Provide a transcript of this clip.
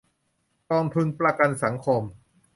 กองทุนประกันสังคม